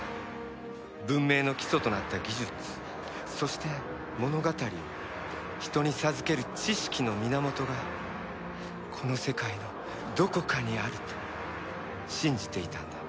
文明の基礎となった技術そして物語を人に授ける知識の源がこの世界のどこかにあると信じていたんだ。